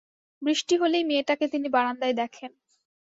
বৃষ্টি হলেই মেয়েটাকে তিনি বারান্দায় দেখেন।